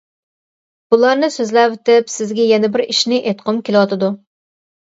بۇلارنى سۆزلەۋېتىپ سىزگە يەنە بىر ئىشنى ئېيتقۇم كېلىۋاتىدۇ.